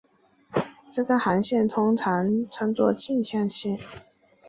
这个航向通常称作径向线。